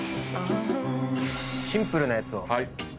シンプルなやつを。